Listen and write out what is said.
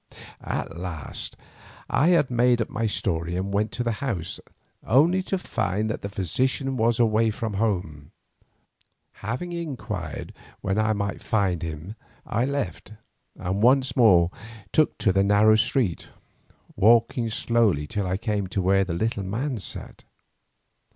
At last I had made up my story and went to the house, only to find that the physician was from home. Having inquired when I might find him I left, and once more took to the narrow street, walking slowly till I came to where the little man sat.